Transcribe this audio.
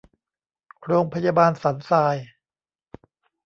โรงพยาบาลสันทราย